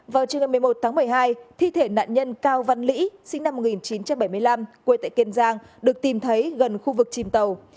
vào trường ngày một mươi một tháng một mươi hai thi thể nạn nhân cao văn lý sinh năm một nghìn chín trăm bảy mươi năm quê tại kiên giang được tìm thấy gần khu vực chìm tàu